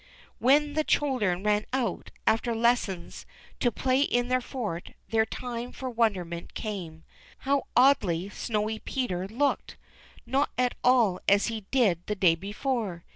When the children ran out, after lessons, to play in their fort, their time for wonderment came. How oddly Snowy Peter looked ; not at all as he did the day before.